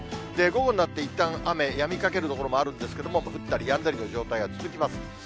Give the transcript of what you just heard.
午後になっていったん雨やみかける所もあるんですけれども、降ったりやんだりという状態が続きます。